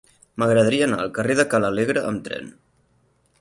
M'agradaria anar al carrer de Ca l'Alegre amb tren.